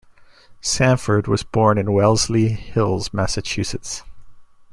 Sanford was born in Wellesley Hills, Massachusetts.